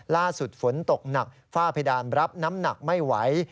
ล่าสุดฝนตกหนักฝ้าเพดานรับน้ำหนักไม่ไหว